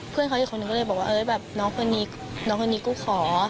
เพื่อนเขาอีกคนนึงก็เลยบอกว่าน้องคนนี้กูขอ